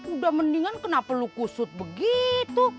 udah mendingan kenapa lu kusut begitu